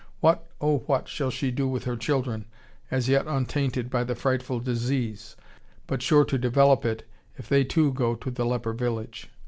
What, oh what, shall she do with her children, as yet untainted by the frightful disease, but sure to develop it if they too go to the leper village?